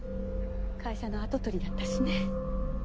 会社の跡取りだったしね。